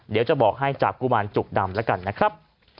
เดี๋ยวจะบอกให้จากกุมารจุกดำแล้วกันนะครับ